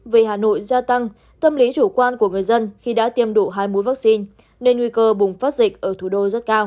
vì hà nội gia tăng tâm lý chủ quan của người dân khi đã tiêm đủ hai mũi vaccine nên nguy cơ bùng phát dịch ở thủ đô